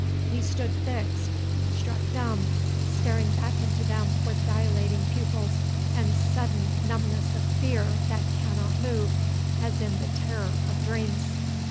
He stood fixed, struck dumb, staring back into them with dilating pupils and sudden numbness of fear that cannot move, as in the terror of dreams.